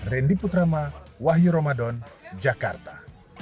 randy putrama wahyu ramadan jakarta